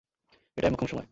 এটাই মোক্ষম সময়।